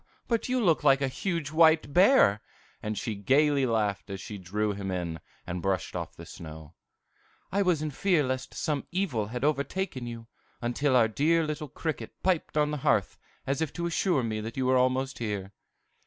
But you look like a huge white bear!" And she gayly laughed as she drew him in, and brushed off the snow. "I was in fear lest some evil had overtaken you, until our dear little cricket piped on the hearth, as if to assure me that you were almost here."